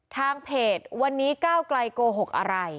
ทางเพจวันนี้ก้าวไกลโกหกอะไร